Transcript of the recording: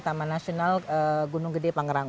taman nasional gunung gede tangerang